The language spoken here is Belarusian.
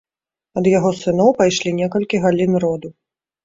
Ад яго сыноў пайшлі некалькі галін роду.